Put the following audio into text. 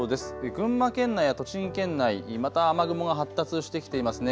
群馬県内や栃木県内、また雨雲が発達してきてますね。